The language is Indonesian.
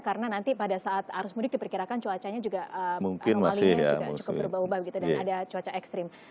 karena nanti pada saat arus mudik diperkirakan cuacanya juga anomalinya cukup berubah ubah gitu dan ada cuaca ekstrim